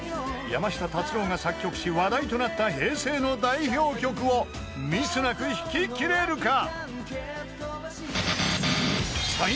［山下達郎が作曲し話題となった平成の代表曲をミスなく弾ききれるか？］